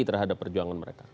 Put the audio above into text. terhadap perjuangan mereka